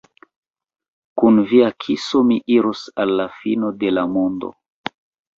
Kun via kiso mi iros al la fino de la mondo!